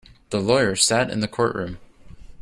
The lawyer sat in the courtroom.